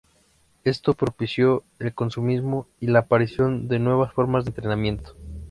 Esto propició el consumismo y la aparición de nuevas formas de entretenimiento.